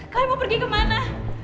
kalian mau pergi kemana